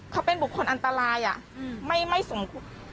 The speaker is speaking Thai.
เขาเป็นบุคคลอันตรายไม่สมคบ